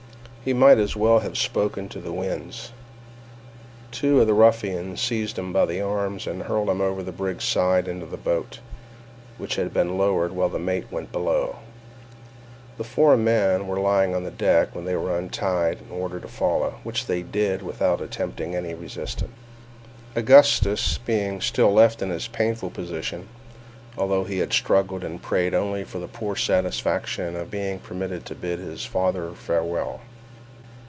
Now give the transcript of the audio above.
He might as well have spoken to the winds. Two of the ruffians seized him by the arms and hurled him over the brig's side into the boat, which had been lowered while the mate went below. The four men who were lying on the deck were then untied and ordered to follow, which they did without attempting any resistance—Augustus being still left in his painful position, although he struggled and prayed only for the poor satisfaction of being permitted to bid his father farewell.